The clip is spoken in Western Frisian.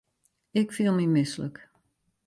Ik fiel my mislik.